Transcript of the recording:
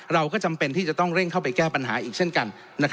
เราก็จำเป็นที่จะต้องเร่งเข้าไปแก้ปัญหาอีกเช่นกัน